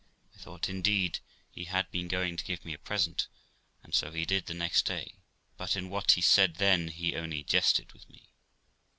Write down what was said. I thought, indeed, he had been going to give me a present, and so he did the next day, but in what he said then, he only jested with me.